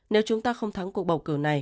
nếu chúng ta không thắng cuộc bầu cử